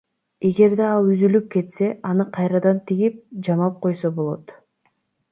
Эгерде ал үзүлүп кетсе аны кайрадан тигип, жамап койсо болот.